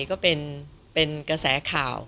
ก็เป็นกระแสข่าว